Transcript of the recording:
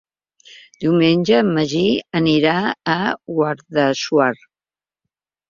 Diumenge en Magí anirà a Guadassuar.